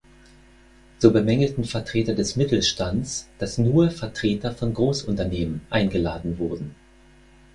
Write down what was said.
So bemängelten Vertreter des Mittelstands, dass nur Vertreter von Großunternehmen eingeladen wurden.